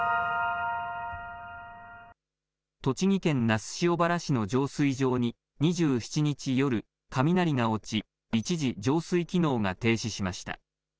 栃木県那須塩原市の浄水場に２７日夜、雷が落ち一時、浄水機能が停止しました。